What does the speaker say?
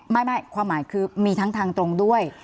ไม่ความหมายคือมีทั้งทางตรงด้วย